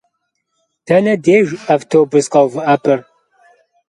Dene dêjj avtobus kheuvı'ep'er?